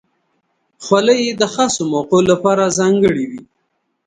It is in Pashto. خولۍ د خاصو موقعو لپاره ځانګړې وي.